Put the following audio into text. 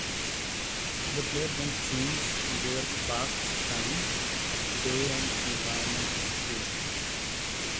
The player can change their park's time of day and environmental theme.